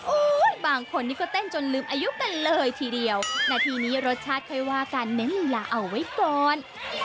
อุ้ยยยยยยยยยบางคนที่ก็เต้นจนลืมอายุกันเลยทีเดียวแต่ทีนี้รสชาติไปว่าการเน้นลีลาเอาไว้ก่อน